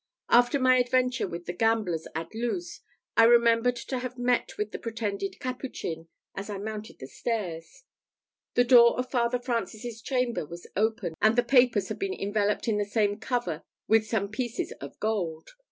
After my adventure with the gamblers at Luz I remembered to have met with the pretended capuchin as I mounted the stairs. The door of Father Francis's chamber was open, and the papers had been enveloped in the same cover with some pieces of gold.